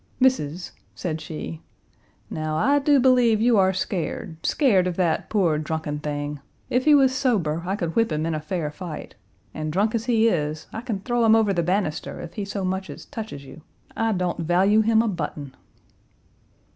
"Missis," said she, "now I do believe you are scared, scared of that poor, drunken thing. If he was sober I could whip him in a fair fight, and drunk as he is I kin throw him over the banister, ef he so much as teches you. I don't value him a button!"